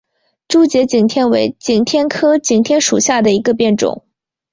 珠节景天为景天科景天属下的一个变种。